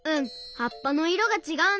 はっぱのいろがちがうんだ。